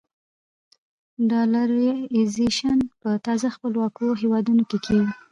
ډالرایزیشن په تازه خپلواکو هېوادونو کې کېږي.